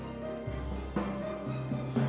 pintaku dengan mas rat brasil